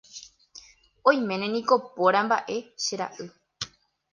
Oiméne niko póra mba'e, che ra'y.